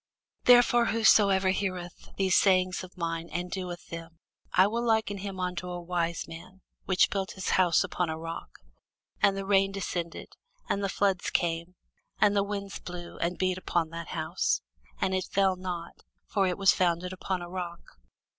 Therefore whosoever heareth these sayings of mine, and doeth them, I will liken him unto a wise man, which built his house upon a rock: and the rain descended, and the floods came, and the winds blew, and beat upon that house; and it fell not: for it was founded upon a rock.